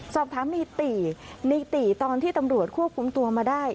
สอบถามในตีในตีตอนที่ตำรวจควบคุมตัวมาได้